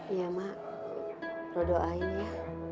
iya mak roh doain ya